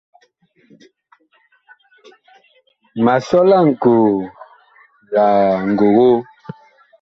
Ma sɔ laŋkoo la ngogoo.